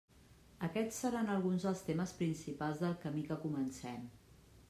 Aquests seran alguns dels temes principals del camí que comencem.